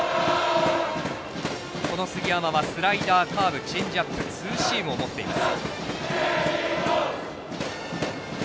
杉山はスライダー、カーブチェンジアップツーシームを持っています。